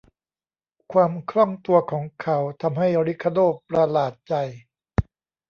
ความคล่องตัวของเขาทำให้ริคาโด้ประหลาดใจ